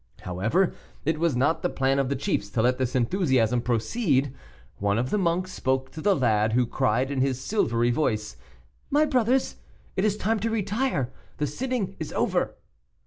However, it was not the plan of the chiefs to let this enthusiasm proceed. One of the monks spoke to the lad, who cried in his silvery voice, "My brothers, it is time to retire; the sitting is over."